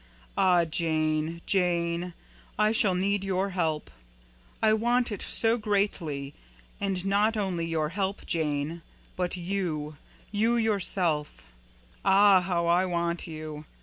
Ah, Jane, Jane! I shall need your help. I want it so greatly, and not only your help, Jane but YOU you, yourself. Ah, how I want you!